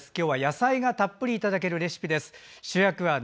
今日は野菜がたっぷりいただけるレシピです。